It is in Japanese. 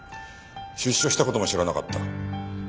出所した事も知らなかった。